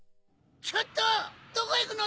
・ちょっとどこいくの？